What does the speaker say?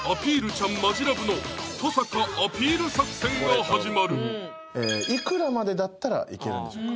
ちゃん・「マヂラブ」の登坂アピール作戦が始まるいくらまでだったらいけるんでしょうか？